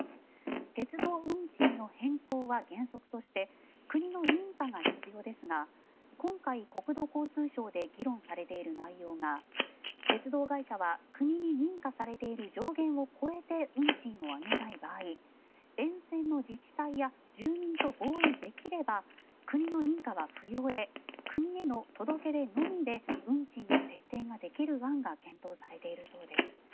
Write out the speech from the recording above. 鉄道運賃の変更は原則として国の認可が必要ですが今回、国土交通省で議論されている内容が鉄道会社は国に認可されている上限を超えて運賃を上げたい場合沿線の自治体や住民と合意できれば国の認可は不要で国への届け出のみで運賃の設定ができる案が検討されているそうです。